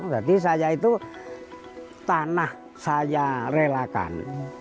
jadi saya itu tanah saya relakan